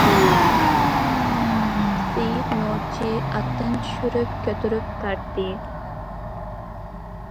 سېيىت نوچى ئاتتىن چۈشۈپ كۆتۈرۈپ تارتتى.